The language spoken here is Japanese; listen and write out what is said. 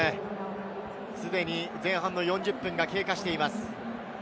既に前半４０分が経過しています。